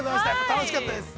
楽しかったです。